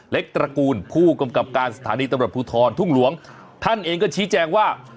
ตระกูลผู้กำกับการสถานีตำรวจภูทรทุ่งหลวงท่านเองก็ชี้แจงว่า